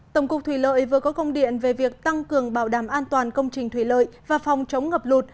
tổng cục thủy lợi vừa có công điện về việc tăng cường bảo đảm an toàn công trình thủy lợi và phòng chống ngập lụt